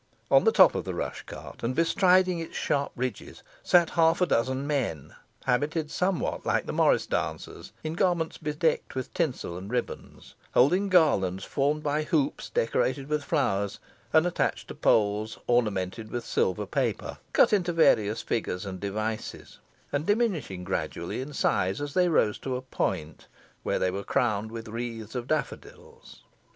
On the top of the rush cart, and bestriding its sharp ridges, sat half a dozen men, habited somewhat like the morris dancers, in garments bedecked with tinsel and ribands, holding garlands formed by hoops, decorated with flowers, and attached to poles ornamented with silver paper, cut into various figures and devices, and diminishing gradually in size as they rose to a point, where they were crowned with wreaths of daffodils.